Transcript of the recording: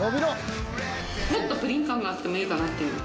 もっとプリン感があってもいいかなっていう。